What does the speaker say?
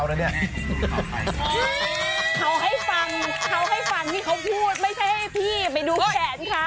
เขาให้ฟังเขาให้ฟังที่เขาพูดไม่ใช่ให้พี่ไปดูแขนเขา